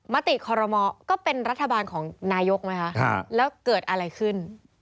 มติคอรมอก็เป็นรัฐบาลของนายกไหมคะแล้วเกิดอะไรขึ้น